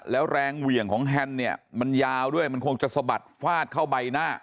แล้วแรงเหวี่ยงของแฮนด์เนี่ยมันยาวด้วยมันคงจะสะบัดฟาดเข้าใบหน้า